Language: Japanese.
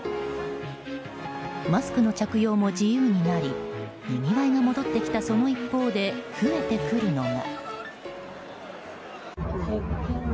マスクの着用も自由になりにぎわいが戻ってきたその一方で増えてくるのが。